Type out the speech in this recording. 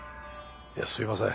いやすみません。